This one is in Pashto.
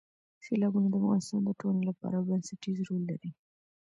سیلابونه د افغانستان د ټولنې لپاره یو بنسټیز رول لري.